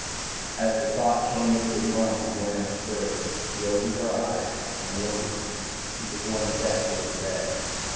As the thought came into his mind, Joanna stirred. She opened her eyes and looked at him. He took one step toward the bed.